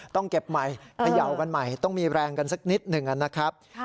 ต้องเก็บใหม่เขย่ากันใหม่ต้องมีแรงกันสักนิดหนึ่งนะครับ